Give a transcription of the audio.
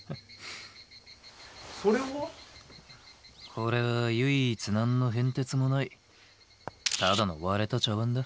これは唯一何の変哲もないただの割れた茶わんだ。